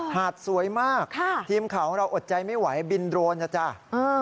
หาดสวยมากค่ะทีมข่าวของเราอดใจไม่ไหวบินโดรนนะจ๊ะ